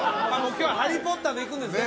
今日はハリー・ポッターでいくんですね